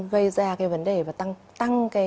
gây ra cái vấn đề và tăng